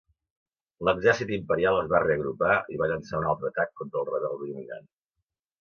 L'Exèrcit Imperial es va reagrupar i va llançar un altre atac contra els rebels de Yongan.